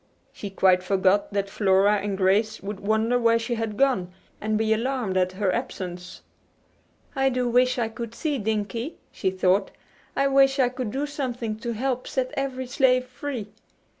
She quite forgot that Flora and Grace would wonder where she had gone, and be alarmed at her absence. "I do wish I could see Dinkie," she thought. "I wish I could do something to help set every slave free."